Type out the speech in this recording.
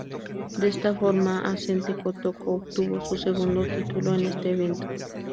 De esta forma, Asante Kotoko obtuvo su segundo título en este evento.